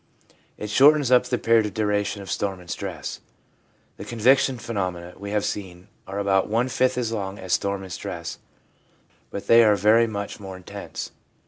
It shortens up the period of duration of storm and stress. The con viction phenomena, we have seen, are about one fifth as long as storm and stress, but they are very much more intense.